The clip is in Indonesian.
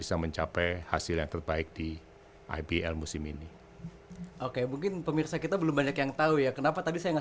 semua orang mempunyai kepentingan